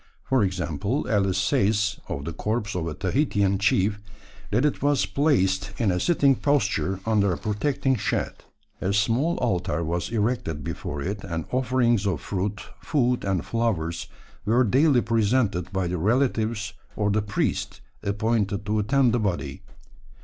For example, Ellis says of the corpse of a Tahitian chief, that it was placed in a sitting posture under a protecting shed; "a small altar was erected before it, and offerings of fruit, food, and flowers were daily presented by the relatives or the priest appointed to attend the body."